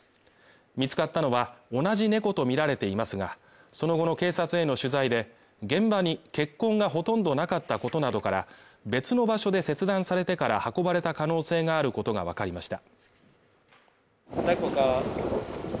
見つかったのは、同じ猫とみられていますが、その後の警察への取材で、現場に血痕がほとんどなかったことなどから、別の場所で切断されてから運ばれた可能性があることがわかりました。